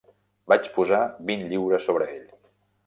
Vaig posar vint lliures sobre ell.